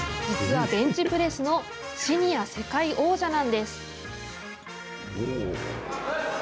実はベンチプレスのシニア世界王者なんです。